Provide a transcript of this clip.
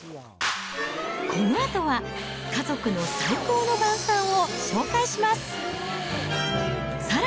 このあとは、家族の最高の晩さんを紹介します。